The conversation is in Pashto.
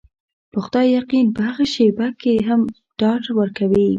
په خدای يقين په هغه شېبه کې هم ډاډ ورکوي.